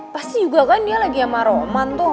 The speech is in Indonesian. pasti juga kan dia lagi sama roman tuh